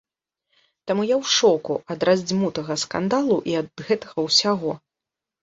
Таму я ў шоку ад раздзьмутага скандалу і ад гэтага ўсяго.